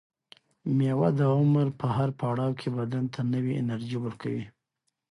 مېوه د عمر په هر پړاو کې بدن ته نوې انرژي ورکوي.